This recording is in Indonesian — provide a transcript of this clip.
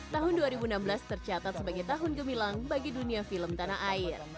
tahun dua ribu enam belas tercatat sebagai tahun gemilang bagi dunia film tanah air